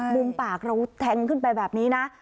มุมปากเราแทงขึ้นไปแบบนี้นะ